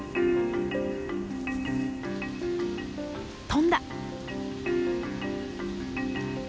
飛んだ！